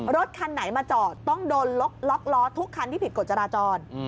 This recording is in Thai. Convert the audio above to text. รถคันไหนมาจอดต้องโดนล็อกล้อทุกคันที่ผิดกฎจราจร